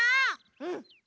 うん！